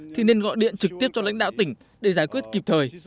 thì nên gọi điện trực tiếp cho lãnh đạo tỉnh để giải quyết kịp thời